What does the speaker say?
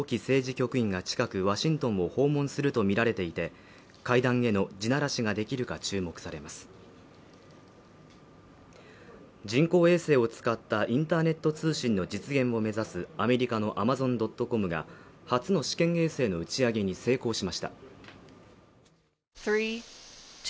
局員が近くワシントンも訪問すると見られていて会談への地ならしができるか注目されます人工衛星を使ったインターネット通信の実現を目指すアメリカのアマゾン・ドット・コムが初の試験衛星の打ち上げに成功しました